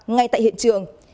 ngay tại hiện trường